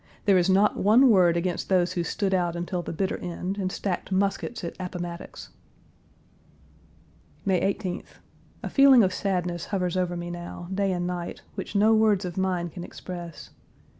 There is not one word against those who stood out until the bitter end, and stacked muskets at Appomattox. May 18th. A feeling of sadness hovers over me now, day and night, which no words of mine can express.